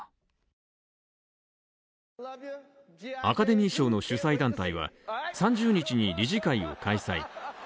アカデミー賞の主催団体は３０日に理事会を開催。